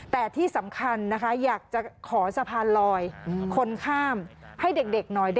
แต่ที่สำคัญนะคะอยากจะขอสะพานลอยคนข้ามให้เด็กหน่อย